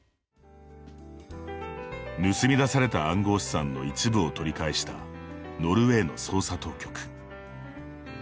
盗み出された暗号資産の一部を取り返したノルウェーの捜査当局。